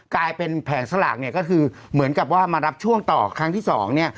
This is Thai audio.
กลายเป็นแผงสลากเนี่ยก็คือเหมือนกับว่ามารับช่วงต่อครั้งที่สองเนี่ย